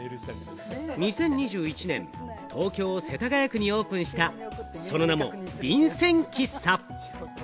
２０２１年、東京・世田谷区にオープンした、その名も便箋喫茶。